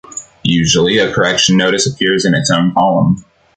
Usually, a correction notice appears in its own column.